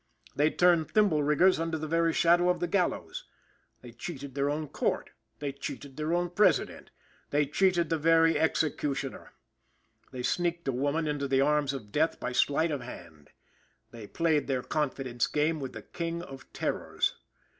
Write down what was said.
They turned thimble riggers under the very shadow of the gallows. They cheated their own court. They cheated their own President. They cheated the very executioner. They sneaked a woman into the arms of death by sleight of hand. They played their confidence game with the King of Terrors.